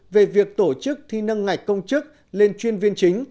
về việc tổ chức thi nâng ngạch công chức lên chuyên viên chính